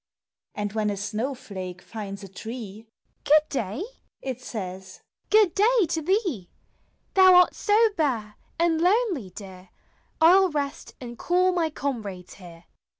And when a snow flake finds a tree, "Good day!" it says — "Good day to thee! Thou art so bare, and lonely, dear, I '11 rest and call my comrades here."